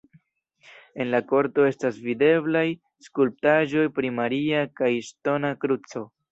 En la korto estas videblaj skulptaĵo pri Maria kaj ŝtona kruco.